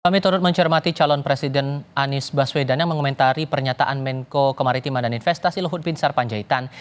kami turut mencermati calon presiden anies baswedan yang mengomentari pernyataan menko kemaritiman dan investasi luhut bin sarpanjaitan